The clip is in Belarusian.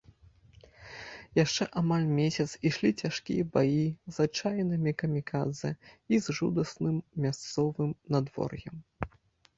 Яшчэ амаль месяц ішлі цяжкія баі з адчайнымі камікадзэ і з жудасным мясцовым надвор'ем.